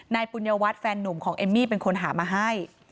ปุญญวัตรแฟนนุ่มของเอมมี่เป็นคนหามาให้